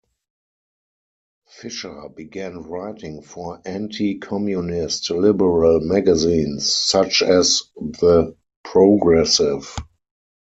Fischer began writing for anti-Communist liberal magazines such as "The Progressive".